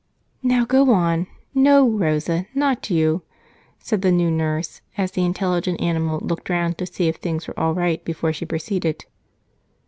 "Now, go on. No, Rosa, not you," said the new nurse as the intelligent animal looked around to see if things were all right before she proceeded.